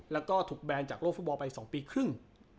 แล้วก็ถูกแบนจากโลกฟุตบอลไป๒ปีครึ่ง